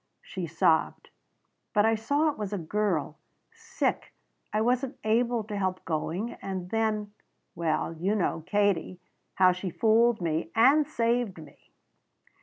She sobbed. "But I saw it was a girl. Sick. I wasn't able to help going and then Well, you know. Katie. How she fooled me. And saved me."